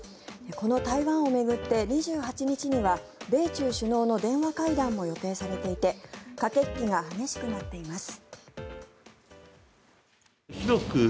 この台湾を巡って２８日には米中首脳の電話会談も予定されていて駆け引きが激しくなっています。